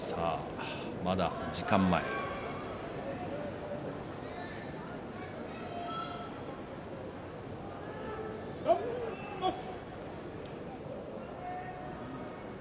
まだ時間前です。